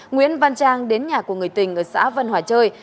nguyễn văn trang đến nhà của người tình ở xã vân hòa chơi